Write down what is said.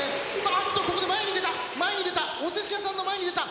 っとここで前に出た前に出たお寿司屋さんの前に出た。